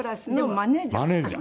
マネジャー？